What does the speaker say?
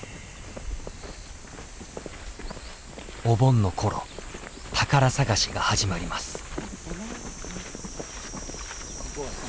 お盆の頃宝探しが始まります。